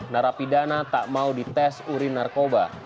narapidana tak mau dites urin narkoba